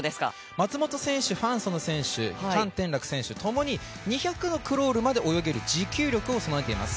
松本選手、ファン・ソヌ選手、潘展樂選手、ともに２００のクロールまで泳げる持久力を備えています。